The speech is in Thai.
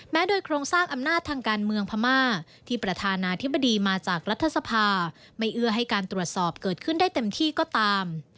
โดยโครงสร้างอำนาจทางการเมืองพม่าที่ประธานาธิบดีมาจากรัฐสภาไม่เอื้อให้การตรวจสอบเกิดขึ้นได้เต็มที่ก็ตาม